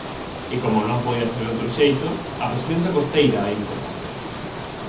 E como non podía ser doutro xeito, a presenza costeira é importante.